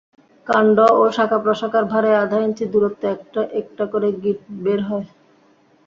কাণ্ড ও শাখা প্রশাখার ভারে আধা ইঞ্চি দূরত্বে একটা করে গিঁট বের হয়।